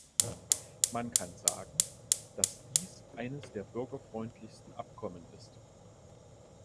Man kann sagen, dass dies eines der bürgerfreundlichsten Abkommen ist.